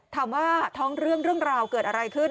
ถามว่าท้องเรื่องเรื่องราวเกิดอะไรขึ้น